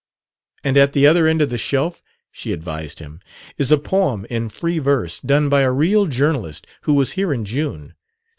"And at the other end of the shelf," she advised him, "is a poem in free verse, done by a real journalist who was here in June.